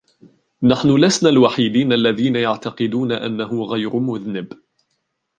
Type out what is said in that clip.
نحنُ لسنا الوحيدين الذين يعتقدون أنهُ غير مذنب.